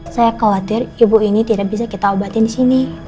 saya khawatir ibu ini tidak bisa kita obatin di sini